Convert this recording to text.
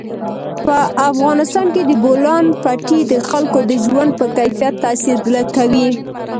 په افغانستان کې د بولان پټي د خلکو د ژوند په کیفیت تاثیر کوي.